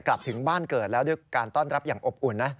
ถึงบ้านเกิดแล้วด้วยการต้อนรับอย่างอบอุ่นนะ